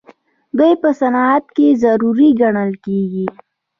دوی په صنعت کې ضروري ګڼل کیږي.